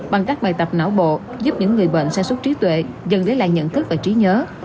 bằng các bài tập não bộ giúp những người bệnh sa sút trí tuệ dần lấy lại nhận thức và trí nhớ